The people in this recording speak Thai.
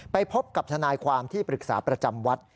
ไปพบกับทนายความที่ปรึกษาประจำวัด